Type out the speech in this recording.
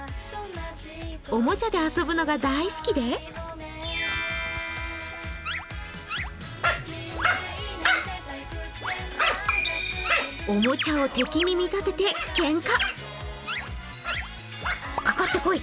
おもちゃで遊ぶのが大好きでおもちゃを敵に見立ててけんか。